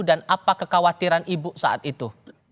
dan apa kekhawatiran ibu saat itu